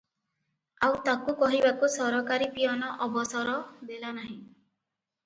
ଆଉ ତାକୁ କହିବାକୁ ସରକାରୀ ପିଅନ ଅବସର ଦେଲା ନାହିଁ ।